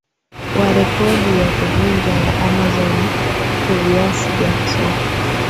wa rekodi ya kuvunja ya Amazon Tobias Jackson